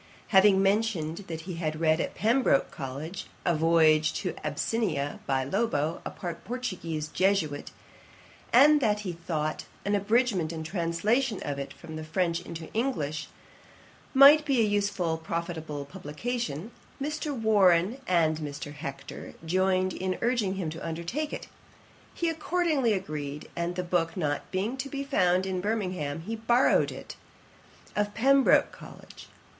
Having mentioned that he had read at Pembroke College a Voyage to Abyssinia, by Lobo, a Portuguese Jesuit, and that he thought an abridgment and translation of it from the French into English might be an useful and profitable publication, Mr. Warren and Mr. Hector joined in urging him to undertake it. He accordingly agreed; and the book not being to be found in Birmingham, he borrowed it of Pembroke College.